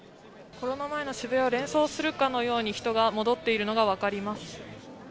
コロナ前の渋谷を連想するかのように人が戻っているのが分かります。